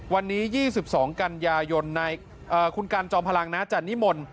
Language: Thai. วันนี้๒๒กันยายนคุณกันจอมพลังจะนิมนต์